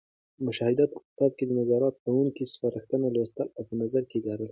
د مشاهداتو کتاب کې د نظارت کوونکو سپارښتنې لوستـل او په نظر کې لرل.